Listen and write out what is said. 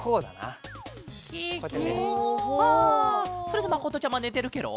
それでまことちゃまねてるケロ？